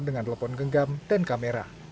dengan telepon genggam dan kamera